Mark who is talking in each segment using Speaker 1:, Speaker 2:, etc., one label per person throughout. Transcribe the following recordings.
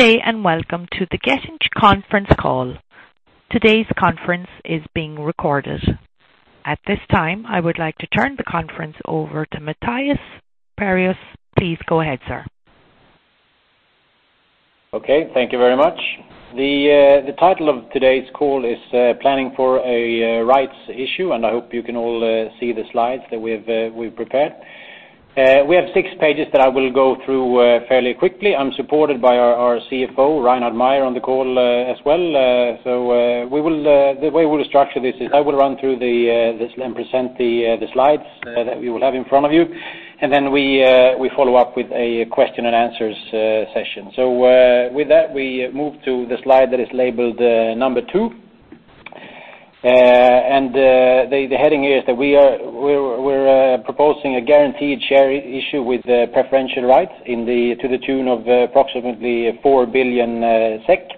Speaker 1: Good day, and welcome to the Getinge conference call. Today's conference is being recorded. At this time, I would like to turn the conference over to Mattias Perjos. Please go ahead, sir.
Speaker 2: Okay, thank you very much. The title of today's call is Planning for a Rights Issue, and I hope you can all see the slides that we've prepared. We have six pages that I will go through fairly quickly. I'm supported by our CFO, Reinhard Mayer, on the call, as well. So, the way we'll structure this is I will run through this and present the slides that we will have in front of you. And then we follow up with a question and answers session. So, with that, we move to the slide that is labeled number two. The heading here is that we're proposing a guaranteed share issue with preferential rights to the tune of approximately 4 billion SEK.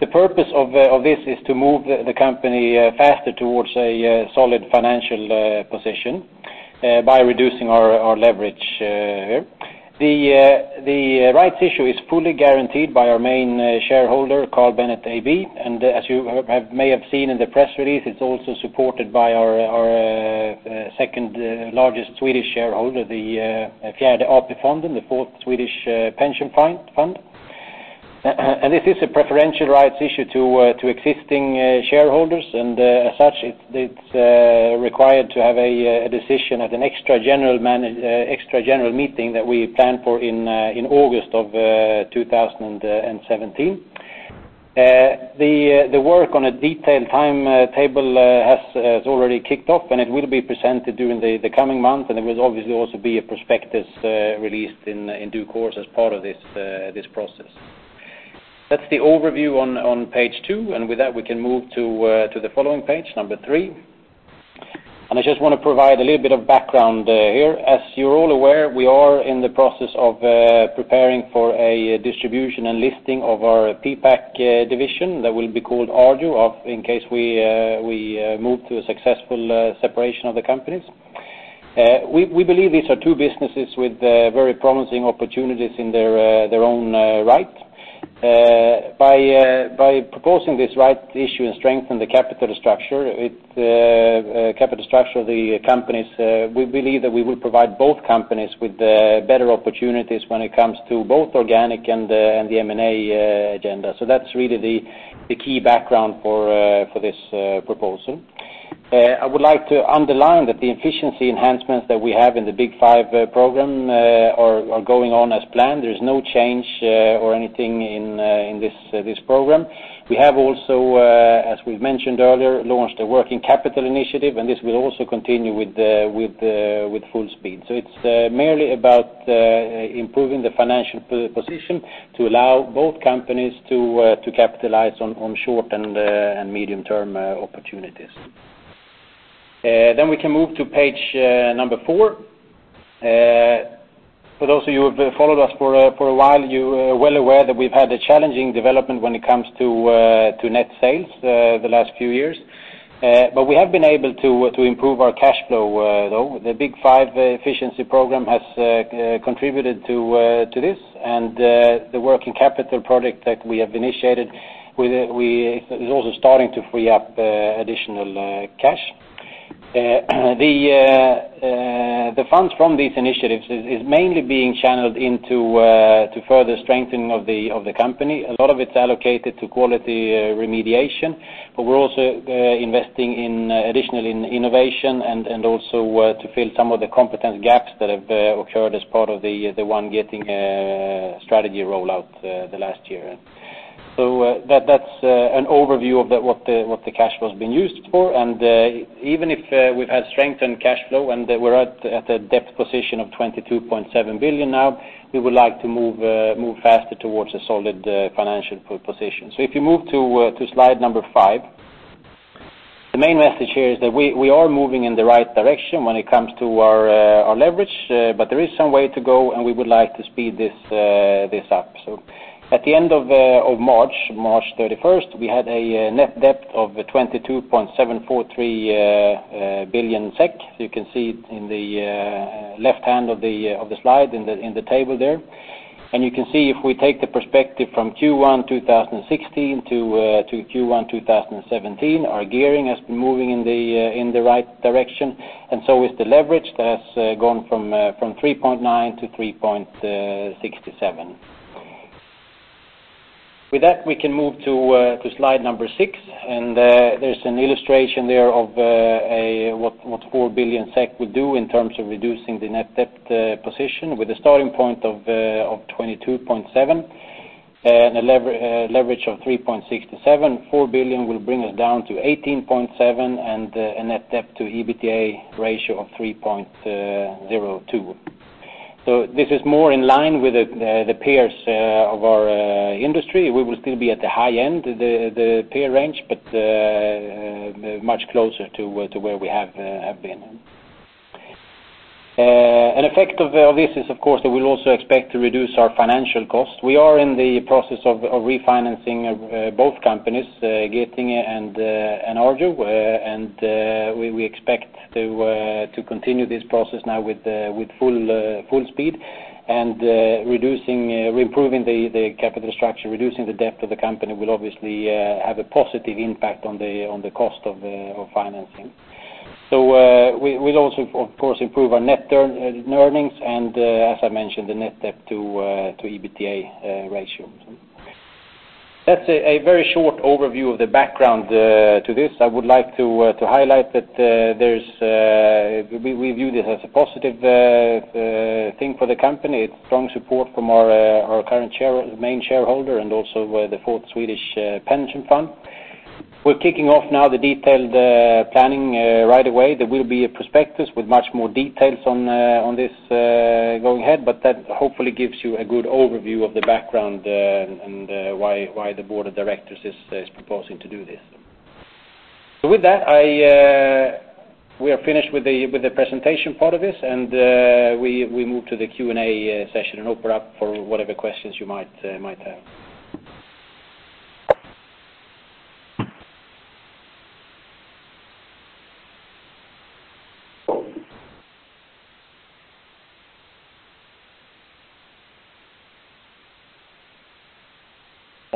Speaker 2: The purpose of this is to move the company faster towards a solid financial position by reducing our leverage here. The rights issue is fully guaranteed by our main shareholder, Carl Bennet AB, and as you may have seen in the press release, it's also supported by our second largest Swedish shareholder, the Fjärde AP-fonden, the fourth Swedish pension fund. And this is a preferential rights issue to existing shareholders, and as such, it's required to have a decision at an extra general meeting that we plan for in August of 2017. The work on a detailed timetable has already kicked off, and it will be presented during the coming month, and there will obviously also be a prospectus released in due course as part of this process. That's the overview on page two, and with that, we can move to the following page, number three. And I just want to provide a little bit of background here. As you're all aware, we are in the process of preparing for a distribution and listing of our PPAC division that will be called Arjo of-- in case we move to a successful separation of the companies. We believe these are two businesses with very promising opportunities in their own right. By proposing this rights issue and strengthen the capital structure, it capital structure of the companies, we believe that we will provide both companies with better opportunities when it comes to both organic and the M&A agenda. So that's really the key background for this proposal. I would like to underline that the efficiency enhancements that we have in the Big Five program are going on as planned. There's no change or anything in this program. We have also, as we've mentioned earlier, launched a working capital initiative, and this will also continue with the full speed. So it's merely about improving the financial position to allow both companies to capitalize on short and medium-term opportunities. Then we can move to page number four. For those of you who have followed us for a while, you are well aware that we've had a challenging development when it comes to net sales the last few years. But we have been able to improve our cash flow though. The Big Five efficiency program has contributed to this, and the working capital project that we have initiated with it is also starting to free up additional cash. The funds from these initiatives is mainly being channeled into to further strengthening of the company. A lot of it's allocated to quality remediation, but we're also investing in additionally in innovation and also to fill some of the competence gaps that have occurred as part of the One Getinge strategy rollout the last year. So, that's an overview of what the cash flow has been used for. Even if we've had strengthened cash flow, and we're at a debt position of 22.7 billion now, we would like to move faster towards a solid financial position. If you move to slide number five, the main message here is that we are moving in the right direction when it comes to our leverage, but there is some way to go, and we would like to speed this up. At the end of March, March 31st, we had a net debt of 22.743 billion SEK. You can see it in the left hand of the slide, in the table there. You can see if we take the perspective from Q1 2016 to Q1 2017, our gearing has been moving in the right direction, and so is the leverage that has gone from 3.9 to 3.67. With that, we can move to slide 6, and there's an illustration there of what 4 billion SEK would do in terms of reducing the net debt position. With a starting point of 22.7 billion and a leverage of 3.67, 4 billion will bring us down to 18.7 billion and a net debt to EBITDA ratio of 3.02. So this is more in line with the peers of our industry. We will still be at the high end of the peer range, but much closer to where we have been. An effect of this is, of course, that we'll also expect to reduce our financial costs. We are in the process of refinancing both companies, Getinge and Arjo, and we expect to continue this process now with full speed, and reducing, improving the capital structure, reducing the debt of the company will obviously have a positive impact on the cost of financing. So, we will also, of course, improve our net turn earnings, and as I mentioned, the net debt to EBITDA ratio. That's a very short overview of the background to this. I would like to highlight that, there's we view this as a positive thing for the company. It's strong support from our current main shareholder, and also the Fourth Swedish Pension Fund. We're kicking off now the detailed planning right away. There will be a prospectus with much more details on this going ahead, but that hopefully gives you a good overview of the background and why the board of directors is proposing to do this. So with that, I we are finished with the presentation part of this, and we move to the Q&A session and open up for whatever questions you might have.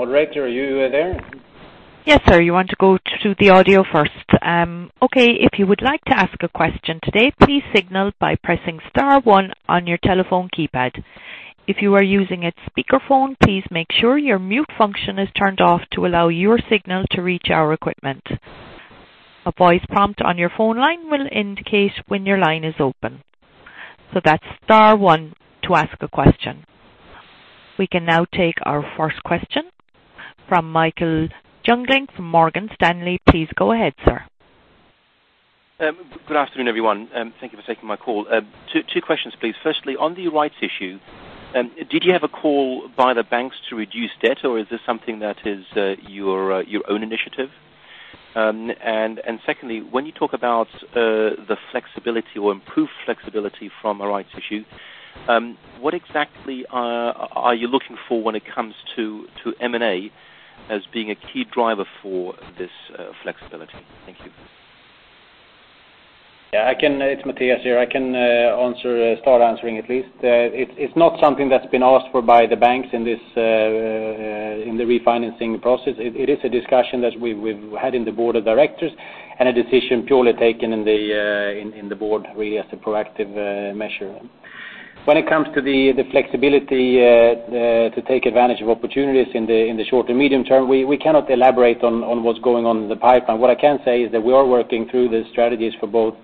Speaker 2: Operator, are you there?
Speaker 1: Yes, sir. You want to go to the audio first? Okay, if you would like to ask a question today, please signal by pressing star one on your telephone keypad. If you are using a speakerphone, please make sure your mute function is turned off to allow your signal to reach our equipment. A voice prompt on your phone line will indicate when your line is open. That's star one to ask a question. We can now take our first question from Michael Jüngling from Morgan Stanley. Please go ahead, sir.
Speaker 3: Good afternoon, everyone, and thank you for taking my call. Two questions, please. Firstly, on the rights issue, did you have a call by the banks to reduce debt, or is this something that is your own initiative? And secondly, when you talk about the flexibility or improved flexibility from a rights issue, what exactly are you looking for when it comes to M&A as being a key driver for this flexibility? Thank you.
Speaker 2: Yeah, I can. It's Mattias here. I can answer start answering at least. It's not something that's been asked for by the banks in this in the refinancing process. It is a discussion that we've had in the board of directors and a decision purely taken in the in in the board, really, as a proactive measure. When it comes to the flexibility to take advantage of opportunities in the short and medium term, we cannot elaborate on what's going on in the pipeline. What I can say is that we are working through the strategies for both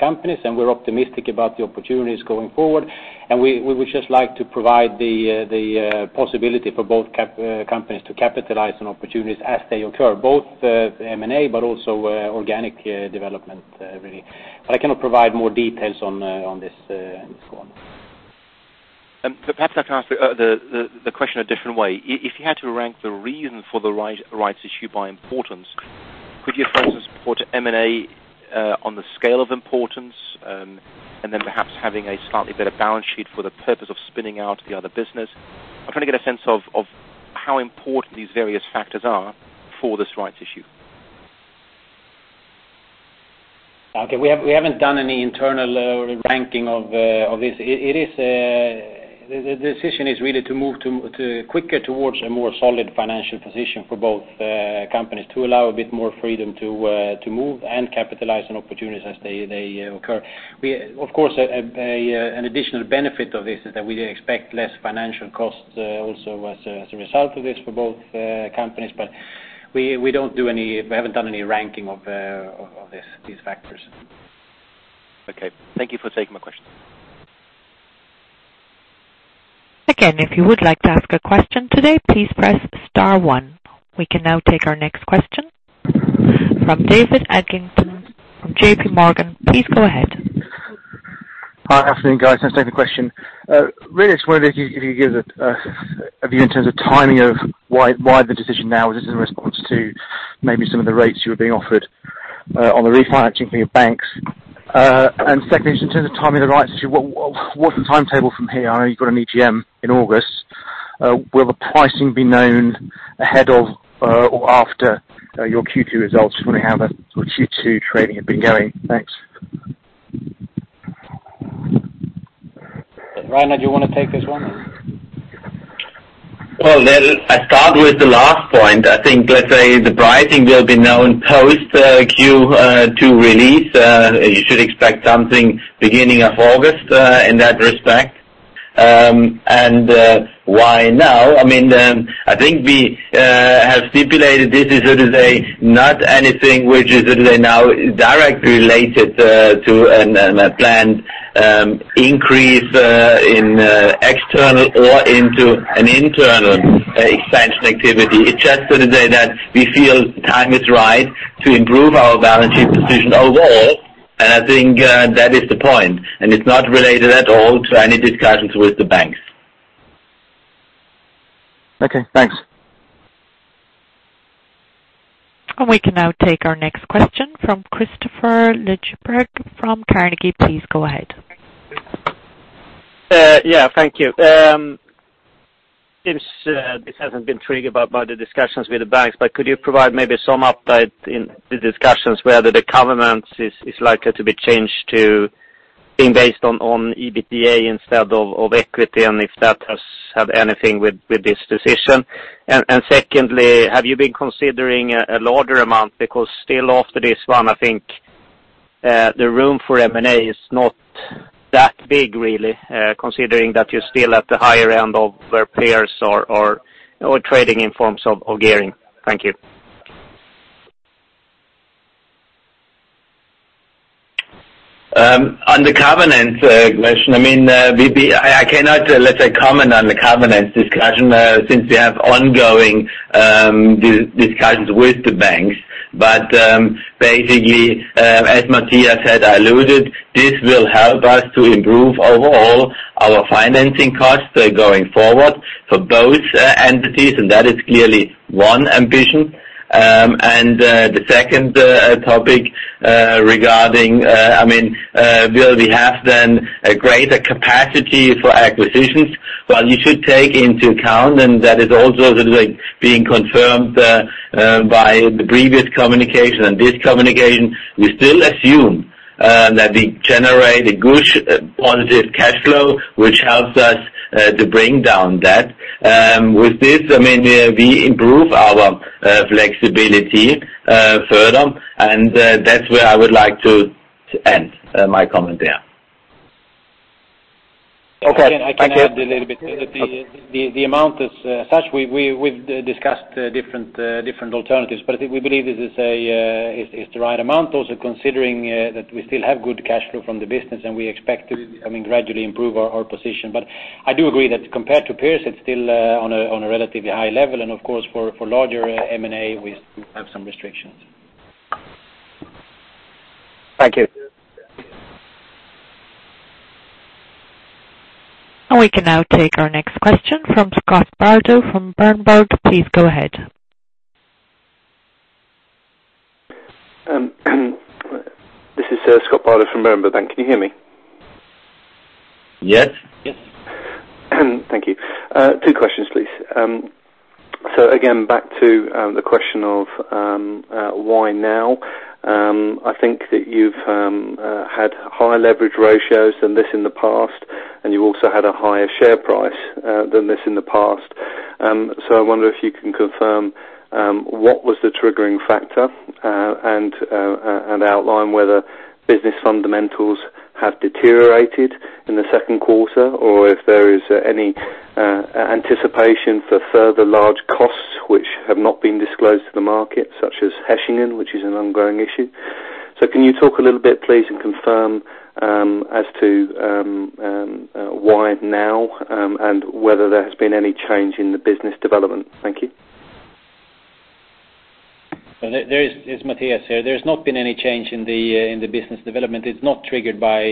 Speaker 2: companies, and we're optimistic about the opportunities going forward, and we would just like to provide the possibility for both companies to capitalize on opportunities as they occur, both M&A, but also organic development, really. But I cannot provide more details on this one.
Speaker 3: Perhaps I can ask the question a different way. If you had to rank the reason for the rights issue by importance, could you, for instance, put M&A on the scale of importance, and then perhaps having a slightly better balance sheet for the purpose of spinning out the other business? I'm trying to get a sense of how important these various factors are for this rights issue.
Speaker 2: Okay, we haven't done any internal ranking of this. It is... The decision is really to move quicker towards a more solid financial position for both companies, to allow a bit more freedom to move and capitalize on opportunities as they occur. Of course, an additional benefit of this is that we expect less financial costs also as a result of this for both companies, but we don't do any—we haven't done any ranking of these factors.
Speaker 3: Okay. Thank you for taking my question.
Speaker 1: Again, if you would like to ask a question today, please press star one. We can now take our next question from David Adlington from JPMorgan. Please go ahead.
Speaker 4: Hi, good afternoon, guys. Thanks for taking the question. Really just wondered if you could give a view in terms of timing of why the decision now is in response to maybe some of the rates you were being offered on the refinancing from your banks. And secondly, just in terms of timing the rights issue, what's the timetable from here? I know you've got an EGM in August. Will the pricing be known ahead of or after your Q2 results when we have a what Q2 trading has been going? Thanks.
Speaker 2: Reinhard, do you want to take this one?
Speaker 5: Well, then I start with the last point. I think, let's say the pricing will be known post, Q2, release. You should expect something beginning of August, in that respect. And, why now? I mean, I think we have stipulated this is, let me say, not anything which is, let me say now, directly related, to, a planned, increase, in, external or into an internal, expansion activity. It's just for today that we feel time is right to improve our balance sheet position overall, and I think, that is the point, and it's not related at all to any discussions with the banks.
Speaker 4: Okay, thanks.
Speaker 1: We can now take our next question from Kristofer Liljeberg from Carnegie. Please go ahead.
Speaker 6: Yeah, thank you. It's this hasn't been triggered by the discussions with the banks, but could you provide maybe some update in the discussions whether the covenant is likely to be changed to being based on EBITDA instead of equity, and if that has had anything with this decision? And secondly, have you been considering a larger amount? Because still after this one, I think, the room for M&A is not that big, really, considering that you're still at the higher end of where peers are trading in forms of gearing. Thank you.
Speaker 5: On the covenant question, I mean, I cannot, let's say, comment on the covenant discussion, since we have ongoing discussions with the banks. But, basically, as Mattias had alluded, this will help us to improve overall our financing costs, going forward for both entities, and that is clearly one ambition. The second topic, regarding, I mean, will we have then a greater capacity for acquisitions? Well, you should take into account, and that is also sort of like being confirmed, by the previous communication and this communication. We still assume that we generate a good positive cash flow, which helps us to bring down debt. With this, I mean, we improve our flexibility further, and that's where I would like to end my comment there.
Speaker 2: Okay, I can add a little bit. The amount is such that we've discussed different alternatives, but I think we believe this is the right amount. Also, considering that we still have good cash flow from the business, and we expect to, I mean, gradually improve our position. But I do agree that compared to peers, it's still on a relatively high level, and of course, for larger M&A, we have some restrictions.
Speaker 6: Thank you.
Speaker 1: We can now take our next question from Scott Bardo from Berenberg. Please go ahead.
Speaker 7: This is Scott Bardo from Berenberg. Can you hear me?
Speaker 5: Yes.
Speaker 2: Yes.
Speaker 7: Thank you. Two questions, please. So again, back to the question of why now? I think that you've had higher leverage ratios than this in the past, and you also had a higher share price than this in the past. So I wonder if you can confirm what was the triggering factor, and outline whether business fundamentals have deteriorated in the second quarter, or if there is any anticipation for further large costs, which have not been disclosed to the market, such as Hechingen, which is an ongoing issue. So can you talk a little bit, please, and confirm as to why now, and whether there has been any change in the business development? Thank you.
Speaker 2: Well, there is Mattias here. There's not been any change in the business development. It's not triggered by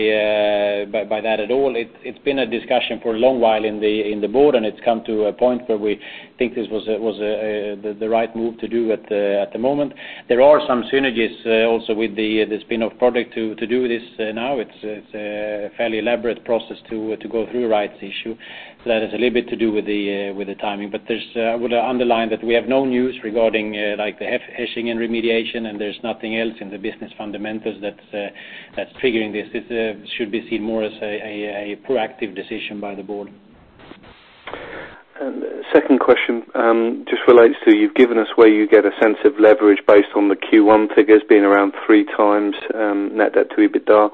Speaker 2: that at all. It's been a discussion for a long while in the board, and it's come to a point where we think this was the right move to do at the moment. There are some synergies also with the spin-off project to do this now. It's a fairly elaborate process to go through rights issue. So that has a little bit to do with the timing. But there's, I would underline that we have no news regarding, like, the Hechingen remediation, and there's nothing else in the business fundamentals that's triggering this. This should be seen more as a proactive decision by the board.
Speaker 7: Second question, just relates to: You've given us where you get a sense of leverage based on the Q1 figures being around 3 times net debt to EBITDA.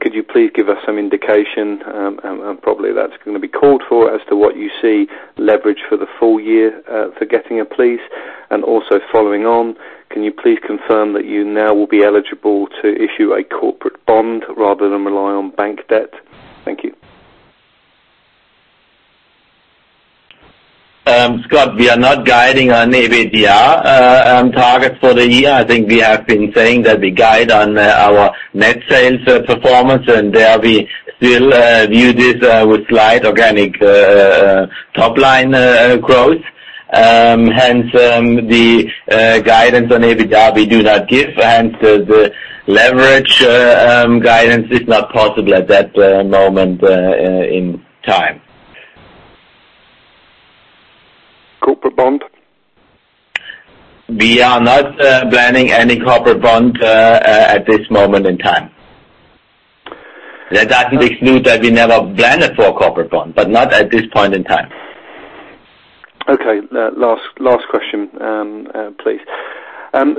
Speaker 7: Could you please give us some indication, and probably that's gonna be called for, as to what you see leverage for the full year for Getinge, please? And also following on, can you please confirm that you now will be eligible to issue a corporate bond rather than rely on bank debt? Thank you.
Speaker 5: Scott, we are not guiding on EBITDA target for the year. I think we have been saying that we guide on our net sales performance, and there we still view this top line growth. Hence, the guidance on EBITDA, we do not give, and the leverage guidance is not possible at that moment in time.
Speaker 7: Corporate bond?
Speaker 5: We are not planning any corporate bond at this moment in time. That doesn't exclude that we never planned for corporate bond, but not at this point in time.
Speaker 7: Okay, last question, please.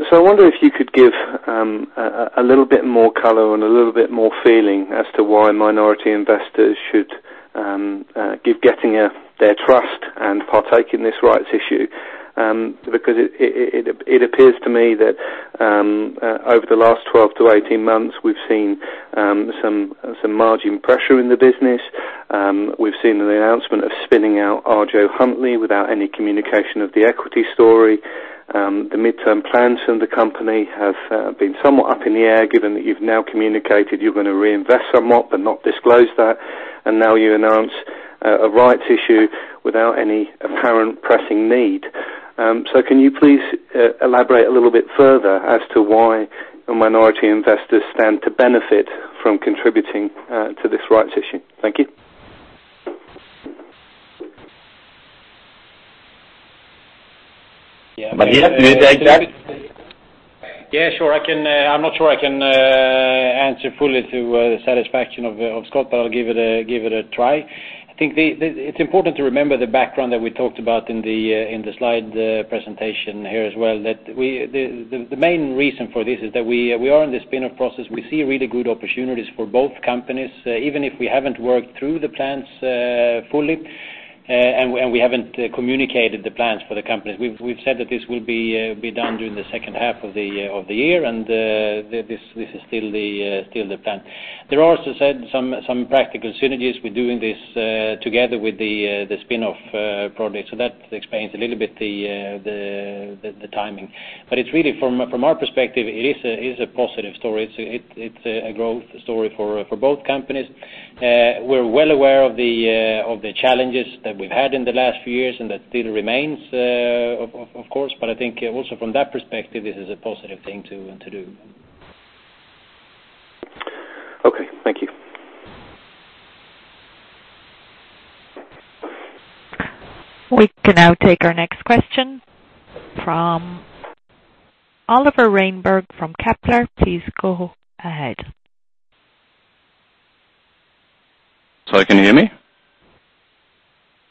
Speaker 7: So I wonder if you could give a little bit more color and a little bit more feeling as to why minority investors should give Getinge their trust and partake in this rights issue. Because it appears to me that over the last 12-18 months, we've seen some margin pressure in the business. We've seen an announcement of spinning out Arjo without any communication of the equity story. The midterm plans from the company have been somewhat up in the air, given that you've now communicated you're gonna reinvest somewhat, but not disclosed that. And now you announce a rights issue without any apparent pressing need. So, can you please elaborate a little bit further as to why the minority investors stand to benefit from contributing to this rights issue? Thank you.
Speaker 2: ...Yeah, sure, I can, I'm not sure I can answer fully to the satisfaction of Scott, but I'll give it a try. I think it's important to remember the background that we talked about in the slide presentation here as well, that the main reason for this is that we are in the spin-off process. We see really good opportunities for both companies, even if we haven't worked through the plans fully, and we haven't communicated the plans for the companies. We've said that this will be done during the second half of the year, and this is still the plan. There are also some practical synergies with doing this together with the spin-off project, so that explains a little bit the timing. But it's really from our perspective, it is a positive story. It's a growth story for both companies. We're well aware of the challenges that we've had in the last few years, and that still remains, of course, but I think also from that perspective, this is a positive thing to do.
Speaker 7: Okay, thank you.
Speaker 1: We can now take our next question from Oliver Reinberg from Kepler. Please go ahead.
Speaker 8: Sorry, can you hear me?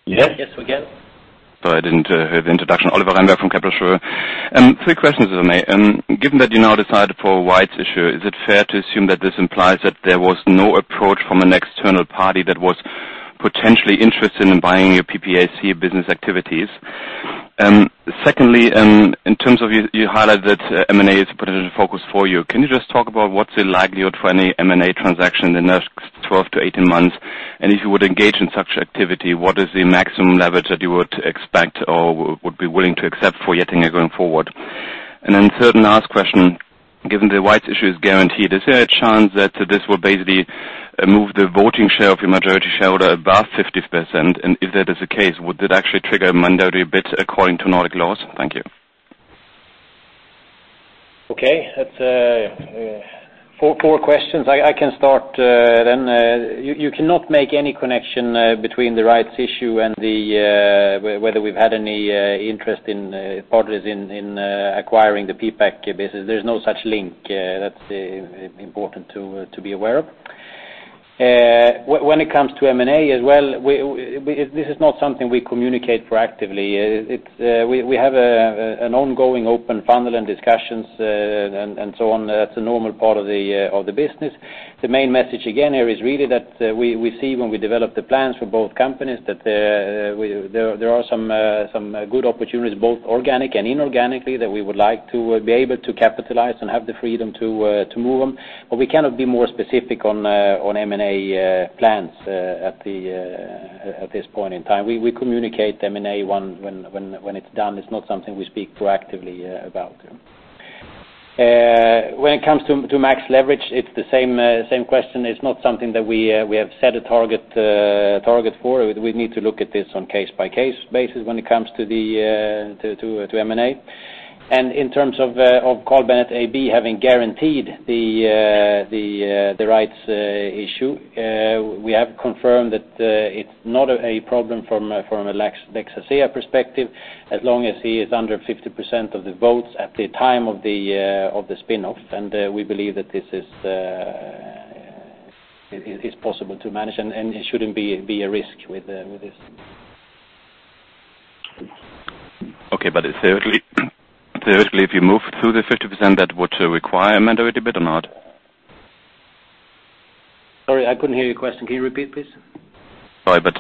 Speaker 2: Yes. Yes, we can.
Speaker 8: Sorry, I didn't hear the introduction. Oliver Reinberg from Kepler Cheuvreux. Three questions, if I may. Given that you now decided for a rights issue, is it fair to assume that this implies that there was no approach from an external party that was potentially interested in buying your PPAC business activities? Secondly, in terms of you, you highlighted that M&A is a potential focus for you. Can you just talk about what's the likelihood for any M&A transaction in the next 12-18 months? And if you would engage in such activity, what is the maximum leverage that you would expect or would be willing to accept for getting it going forward? And then third and last question, given the rights issue is guaranteed, is there a chance that this will basically move the voting share of your majority shareholder above 50%? And if that is the case, would it actually trigger a mandatory bid according to Nordic laws? Thank you.
Speaker 2: Okay, that's four questions. I can start, then you cannot make any connection between the rights issue and the whether we've had any interest in parties in acquiring the PPAC business. There's no such link. That's important to be aware of. When it comes to M&A as well, we this is not something we communicate proactively. We have an ongoing open funnel and discussions and so on. That's a normal part of the business. The main message again here is really that, we see when we develop the plans for both companies, that, there are some good opportunities, both organic and inorganically, that we would like to be able to capitalize and have the freedom to move them. But we cannot be more specific on M&A plans at this point in time. We communicate M&A only when it's done; it's not something we speak proactively about. When it comes to max leverage, it's the same question. It's not something that we have set a target for. We need to look at this on case-by-case basis when it comes to M&A. In terms of Carl Bennet AB having guaranteed the rights issue, we have confirmed that it's not a problem from a Lex Asea perspective, as long as he is under 50% of the votes at the time of the spin-off. We believe that this is possible to manage, and it shouldn't be a risk with this.
Speaker 8: Okay, but theoretically, theoretically, if you move through the 50%, that would require a mandatory bid or not?
Speaker 2: Sorry, I couldn't hear your question. Can you repeat, please?
Speaker 8: Sorry, but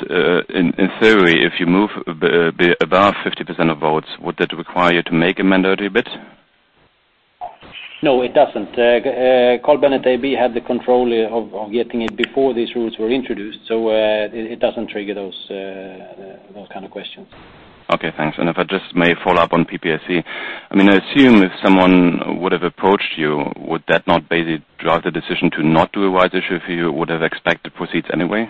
Speaker 8: in theory, if you move above 50% of votes, would that require you to make a mandatory bid?
Speaker 2: No, it doesn't. Carl Bennet AB had the control of Getinge before these rules were introduced, so it doesn't trigger those kind of questions.
Speaker 8: Okay, thanks. And if I just may follow up on PPAC, I mean, I assume if someone would have approached you, would that not basically drive the decision to not do a rights issue, if you would have expected proceeds anyway?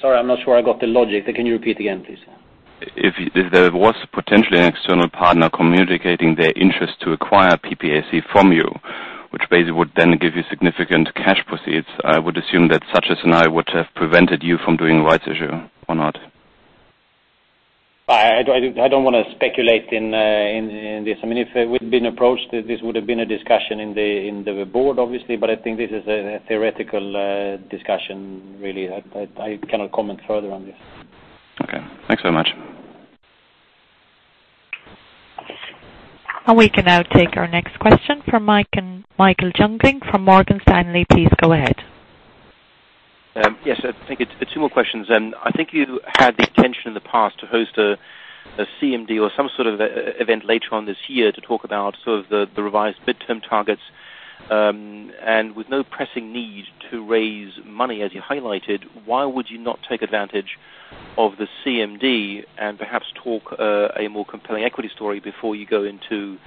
Speaker 2: Sorry, I'm not sure I got the logic. Can you repeat again, please?
Speaker 8: If there was potentially an external partner communicating their interest to acquire PPAC from you, which basically would then give you significant cash proceeds, I would assume that such a scenario would have prevented you from doing a rights issue or not?
Speaker 2: I don't want to speculate in this. I mean, if we'd been approached, this would have been a discussion in the board, obviously, but I think this is a theoretical discussion really. I cannot comment further on this.
Speaker 8: Okay, thanks so much.
Speaker 1: We can now take our next question from Mike, Michael Jungling from Morgan Stanley. Please go ahead.
Speaker 3: Yes, thank you. Two more questions. I think you had the intention in the past to host a CMD or some sort of event later on this year to talk about the revised midterm targets. And with no pressing need to raise money, as you highlighted, why would you not take advantage of the CMD and perhaps talk a more compelling equity story before you go into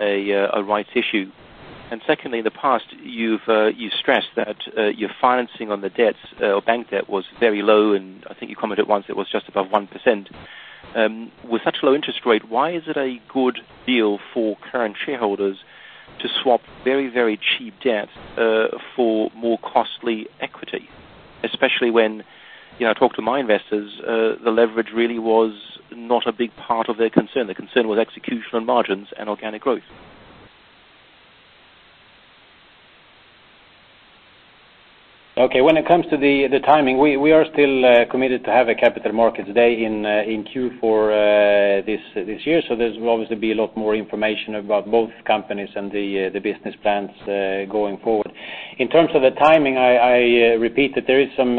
Speaker 3: a rights issue? And secondly, in the past, you've stressed that your financing on the debts or bank debt was very low, and I think you commented once it was just above 1%. With such low interest rate, why is it a good deal for current shareholders to swap very, very cheap debt for more costly equity? Especially when, you know, I talk to my investors, the leverage really was not a big part of their concern. Their concern was execution on margins and organic growth.
Speaker 2: Okay. When it comes to the timing, we are still committed to have a capital markets day in Q4 this year. So there's obviously be a lot more information about both companies and the business plans going forward. In terms of the timing, I repeat that there are some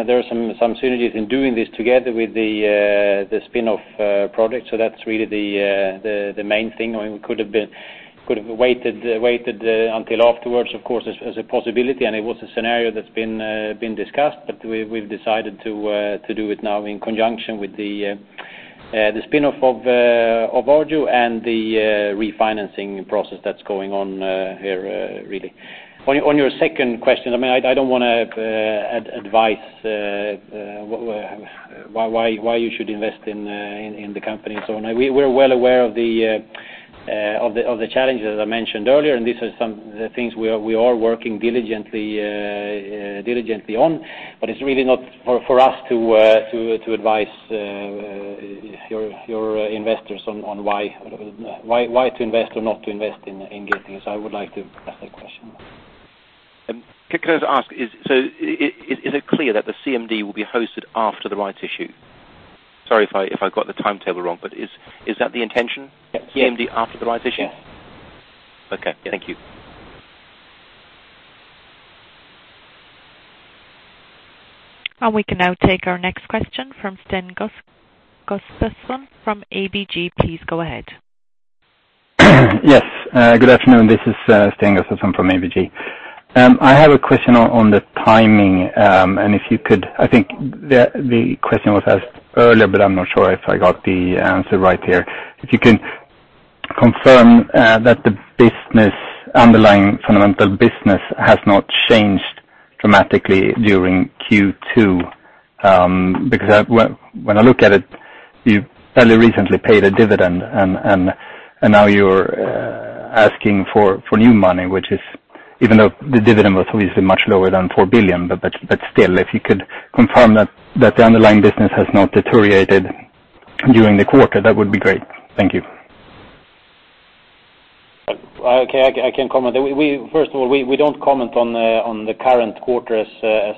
Speaker 2: synergies in doing this together with the spin-off project, so that's really the main thing. I mean, we could have waited until afterwards, of course, as a possibility, and it was a scenario that's been discussed, but we've decided to do it now in conjunction with the spin-off of Arjo and the refinancing process that's going on here really. On your second question, I mean, I don't wanna advise why you should invest in the company and so on. We're well aware of the challenges I mentioned earlier, and these are some of the things we are working diligently on. But it's really not for us to advise your investors on why to invest or not to invest in Getinge. So I would like to pass that question.
Speaker 3: Can I just ask, is—so is it clear that the CMD will be hosted after the rights issue? Sorry if I got the timetable wrong, but is that the intention?
Speaker 2: Yes.
Speaker 3: CMD after the rights issue?
Speaker 2: Yeah.
Speaker 3: Okay.
Speaker 2: Yeah.
Speaker 3: Thank you.
Speaker 1: We can now take our next question from Sten Gustafsson from ABG, please go ahead.
Speaker 9: Yes, good afternoon. This is Sten Gustafsson from ABG. I have a question on the timing, and if you could... I think the question was asked earlier, but I'm not sure if I got the answer right here. If you can confirm that the business, underlying fundamental business has not changed dramatically during Q2, because when I look at it, you fairly recently paid a dividend, and now you're asking for new money, which is even though the dividend was obviously much lower than 4 billion, but still, if you could confirm that the underlying business has not deteriorated during the quarter, that would be great. Thank you.
Speaker 2: Okay, I can comment. First of all, we don't comment on the current quarter as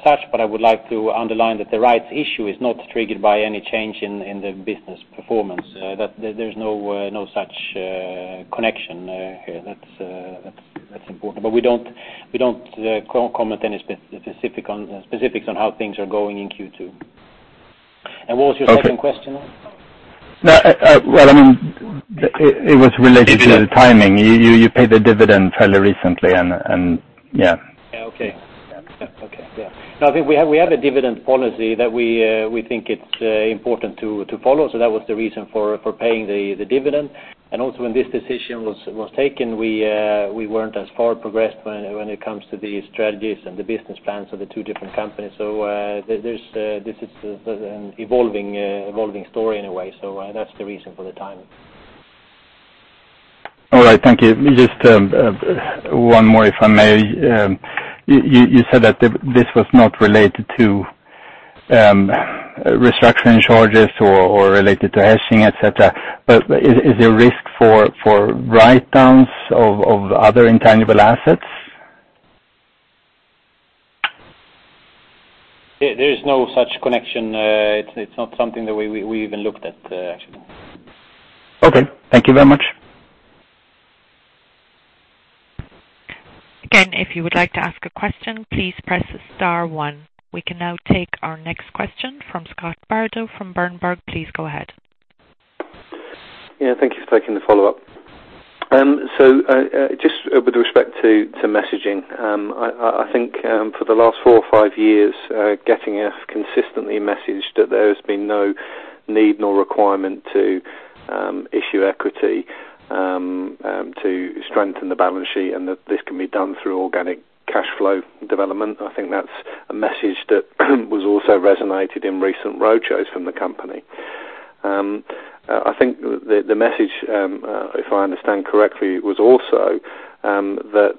Speaker 2: such, but I would like to underline that the Rights Issue is not triggered by any change in the business performance. That there's no such connection here. That's important. But we don't comment any specifics on how things are going in Q2. And what was your second question?
Speaker 9: Okay. Well, I mean, it was related to the timing.
Speaker 2: Dividend.
Speaker 9: You paid the dividend fairly recently and yeah.
Speaker 2: Yeah. Okay. Yeah, okay, yeah. Now, I think we have, we have a dividend policy that we, we think it's, important to, to follow. So that was the reason for, for paying the, the dividend, and also, when this decision was, was taken, we, we weren't as far progressed when, when it comes to the strategies and the business plans of the two different companies. So, there's, this is, an evolving, evolving story in a way, so, that's the reason for the timing.
Speaker 9: All right, thank you. Just one more, if I may. You said that this was not related to restructuring charges or related to hedging, et cetera, but is there risk for write-downs of other intangible assets?
Speaker 2: There is no such connection. It's not something that we even looked at, actually.
Speaker 9: Okay, thank you very much.
Speaker 1: Again, if you would like to ask a question, please press Star One. We can now take our next question from Scott Bardo from Berenberg. Please go ahead.
Speaker 7: Yeah, thank you for taking the follow-up. So, just with respect to messaging, I think for the last four or five years, Getinge has consistently messaged that there has been no need nor requirement to issue equity to strengthen the balance sheet, and that this can be done through organic cash flow development. I think that's a message that was also resonated in recent roadshows from the company. I think the message, if I understand correctly, was also that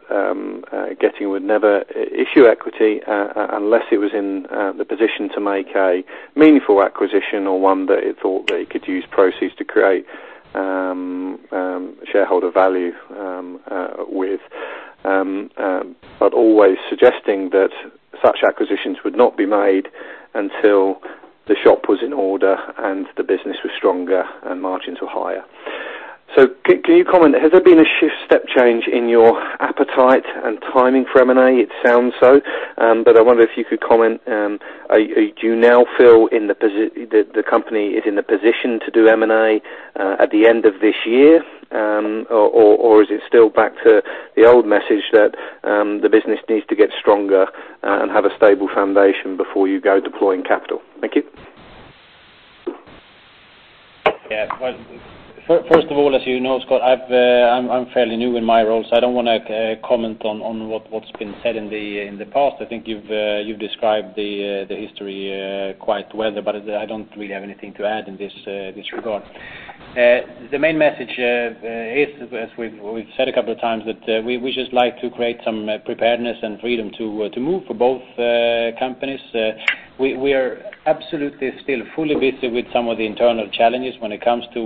Speaker 7: Getinge would never issue equity unless it was in the position to make a meaningful acquisition, or one that it thought that it could use proceeds to create shareholder value with. But always suggesting that such acquisitions would not be made until the shop was in order, and the business was stronger, and margins were higher. So can you comment, has there been a shift step change in your appetite and timing for M&A? It sounds so, but I wonder if you could comment, do you now feel that the company is in the position to do M&A at the end of this year? Or is it still back to the old message that the business needs to get stronger and have a stable foundation before you go deploying capital? Thank you.
Speaker 2: Yeah, well, first of all, as you know, Scott, I'm fairly new in my role, so I don't wanna comment on what's been said in the past. I think you've described the history quite well, but I don't really have anything to add in this regard. The main message is, as we've said a couple of times, that we just like to create some preparedness and freedom to move for both companies. We are absolutely still fully busy with some of the internal challenges when it comes to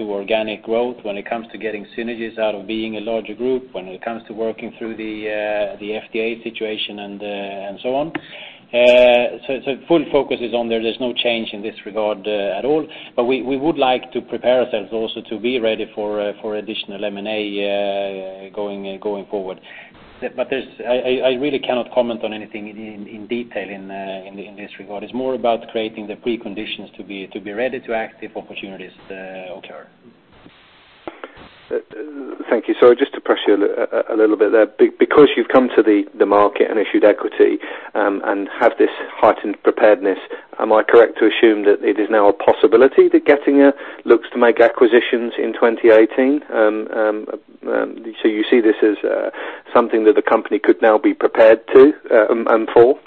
Speaker 2: organic growth, when it comes to getting synergies out of being a larger group, when it comes to working through the FDA situation and so on. So full focus is on there. There's no change in this regard at all, but we would like to prepare ourselves also to be ready for additional M&A going forward. But there's. I really cannot comment on anything in detail in this regard. It's more about creating the preconditions to be ready to act if opportunities occur.
Speaker 7: Thank you. So just to press you a little bit there. Because you've come to the market and issued equity, and have this heightened preparedness, am I correct to assume that it is now a possibility that Getinge looks to make acquisitions in 2018? So you see this as something that the company could now be prepared to, and for?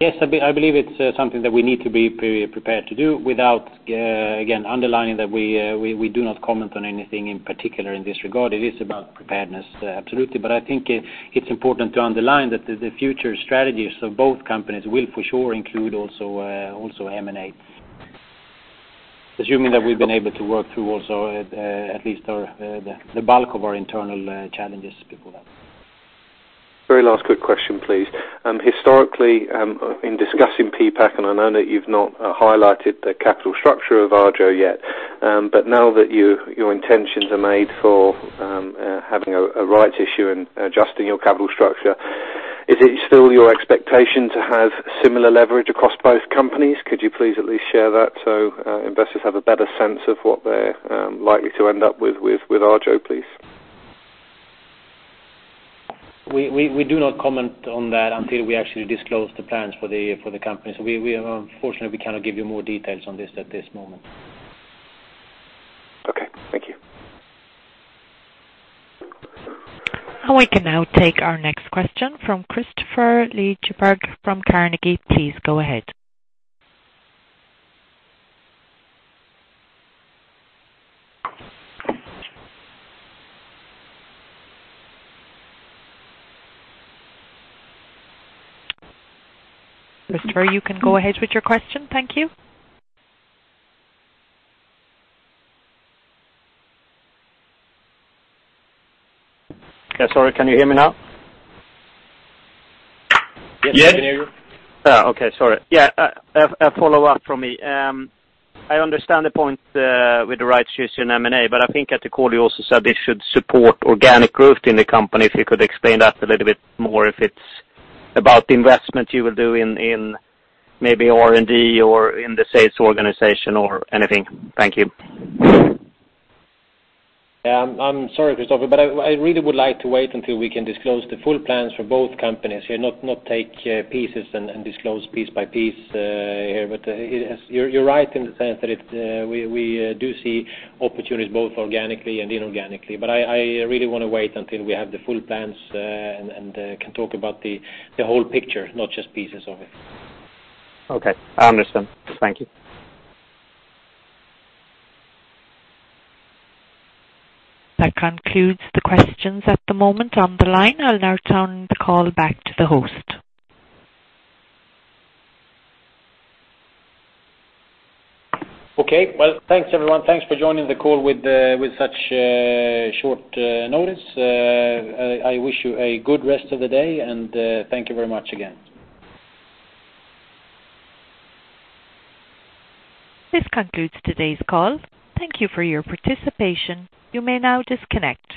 Speaker 2: Yes, I believe it's something that we need to be pre-prepared to do without, again, underlining that we do not comment on anything in particular in this regard. It is about preparedness, absolutely. But I think it's important to underline that the future strategies of both companies will, for sure, include also M&A. Assuming that we've been able to work through also at least our the bulk of our internal challenges before that.
Speaker 7: Very last quick question, please. Historically, in discussing PPAC, and I know that you've not highlighted the capital structure of Arjo yet, but now that your intentions are made for having a rights issue and adjusting your capital structure, is it still your expectation to have similar leverage across both companies? Could you please at least share that so investors have a better sense of what they're likely to end up with Arjo, please?
Speaker 2: We do not comment on that until we actually disclose the plans for the company. So, unfortunately, we cannot give you more details on this at this moment.
Speaker 7: Okay, thank you.
Speaker 1: We can now take our next question from kristofer Liljeberg from Carnegie. Please go ahead. Kristofer, you can go ahead with your question. Thank you.
Speaker 6: Yeah, sorry. Can you hear me now?
Speaker 2: Yes.
Speaker 6: Okay. Sorry. Yeah, a follow up from me. I understand the point with the rights issue in M&A, but I think at the call, you also said this should support organic growth in the company. If you could explain that a little bit more, if it's about investment you will do in maybe R&D or in the sales organization or anything. Thank you.
Speaker 2: Yeah. I'm sorry, Kristofer, but I really would like to wait until we can disclose the full plans for both companies here, not take pieces and disclose piece by piece here. But it is. You're right in the sense that it we do see opportunities both organically and inorganically, but I really wanna wait until we have the full plans and can talk about the whole picture, not just pieces of it.
Speaker 6: Okay, I understand. Thank you.
Speaker 1: That concludes the questions at the moment on the line. I'll now turn the call back to the host.
Speaker 2: Okay. Well, thanks, everyone. Thanks for joining the call with such a short notice. I wish you a good rest of the day, and thank you very much again.
Speaker 1: This concludes today's call. Thank you for your participation. You may now disconnect.